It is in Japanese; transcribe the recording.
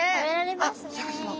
あっシャーク香音さま